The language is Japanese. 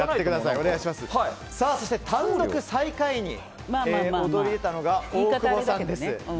そして単独最下位に躍り出たのが、大久保さんです。